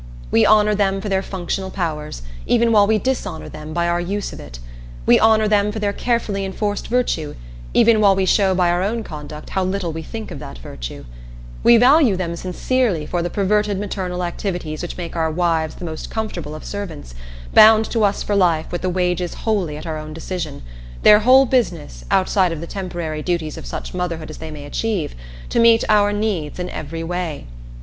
We honor them for their functional powers, even while we dishonor them by our use of it; we honor them for their carefully enforced virtue, even while we show by our own conduct how little we think of that virtue; we value them, sincerely, for the perverted maternal activities which make our wives the most comfortable of servants, bound to us for life with the wages wholly at our own decision, their whole business, outside of the temporary duties of such motherhood as they may achieve, to meet our needs in every way.